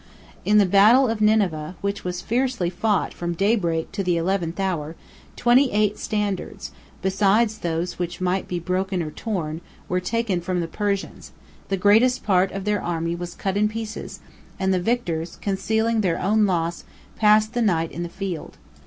103 In the battle of Nineveh, which was fiercely fought from daybreak to the eleventh hour, twenty eight standards, besides those which might be broken or torn, were taken from the Persians; the greatest part of their army was cut in pieces, and the victors, concealing their own loss, passed the night on the field.